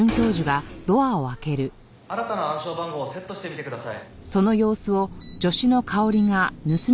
新たな暗証番号をセットしてみてください。